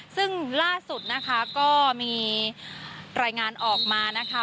ซึ่งล่าสุดนะคะก็มีรายงานออกมานะคะ